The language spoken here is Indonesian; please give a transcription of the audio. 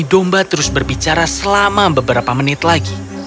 domba terus berbicara selama beberapa menit lagi